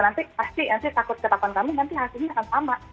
nanti pasti takut ketakutan kami nanti hasilnya akan sama